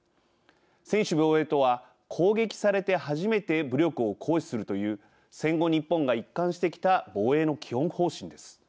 専守防衛とは攻撃されて初めて武力を行使するという戦後、日本が一貫してきた防衛の基本方針です。